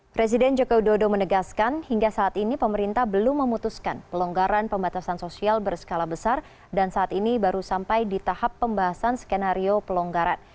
presiden jokowi dodo menegaskan hingga saat ini pemerintah belum memutuskan pelonggaran pembatasan sosial berskala besar dan saat ini baru sampai di tahap pembahasan skenario pelonggaran